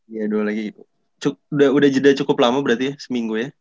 iya dua lagi udah jeda cukup lama berarti ya seminggu ya